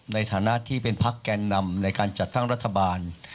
ในฐานะที่เป็นพักแกนนำในการจัดตั้งรัฐบาล